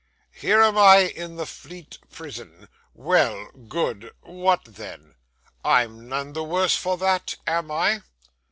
Here am I in the Fleet Prison. Well; good. What then? I'm none the worse for that, am I?